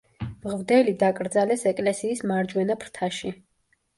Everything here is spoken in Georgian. მღვდელი დაკრძალეს ეკლესიის მარჯვენა ფრთაში.